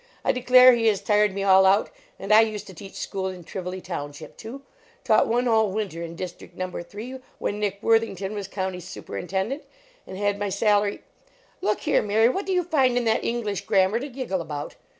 I declare he has tired me all out, and I used to teach school in Trivoli township, too. Taught one whole winter in district number three when Nick Worthington was county super intendent, and had my salary look hgre, Mary, what do you find in that English grammar to giggle about?